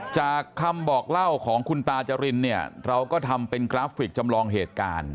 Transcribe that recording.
จากคำบอกเล่าของคุณตาจรินเนี่ยเราก็ทำเป็นกราฟิกจำลองเหตุการณ์